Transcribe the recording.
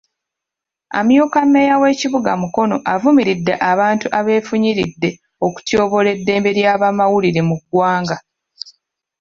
Amyuka mmeeya w'ekibuga Mukono avumiridde abantu abeefunyiridde okutyoboola eddembe ly'abamawulire mu ggwanga.